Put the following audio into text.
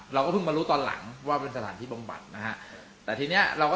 เราก็เพิ่งมารู้ตอนหลังว่าเป็นสถานที่บำบัดนะฮะแต่ทีเนี้ยเราก็